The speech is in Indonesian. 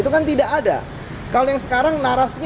itu bukan tiga tahun baru musikal untuk menjam puannya